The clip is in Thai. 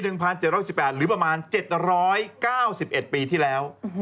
สถาตุได้ปี๑๗๑๘หรือประมาณ๗๙๑ปีที่แล้ว